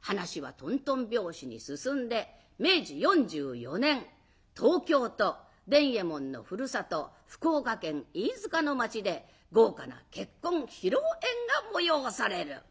話はとんとん拍子に進んで明治４４年東京と伝右衛門のふるさと福岡県飯塚の町で豪華な結婚披露宴が催される。